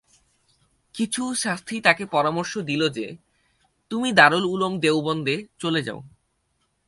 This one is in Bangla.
কিছু সাথী তাকে পরামর্শ দিল যে, তুমি দারুল উলুম দেওবন্দে চলে যাও।